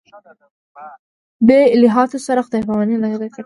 دې الهیاتو سره خدای پاماني نه ده کړې.